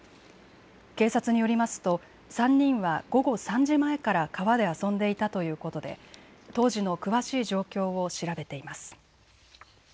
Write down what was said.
警察によりますと３人は午後３時前から川で遊んでいたということで当時の詳しい状況を調べています。